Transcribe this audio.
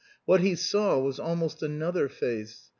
What he saw was almost another face.